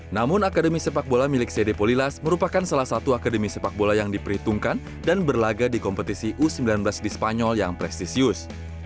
namun akademi sepak bola milik cd polilas merupakan salah satu akademi sepak bola yang diperhitungkan dan berlaga di kompetisi u sembilan belas di spanyol yang prestisius